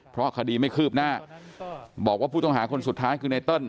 เพราะคดีไม่คืบหน้าบอกว่าผู้ต้องหาคนสุดท้ายคือไนเติ้ล